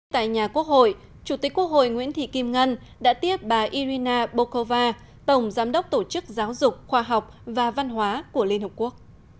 tại nhà quốc hội chủ tịch quốc hội nguyễn thị kim ngân đã tiếp bà irina bokova tổng giám đốc tổ chức giáo dục khoa học và văn hóa của liên hợp quốc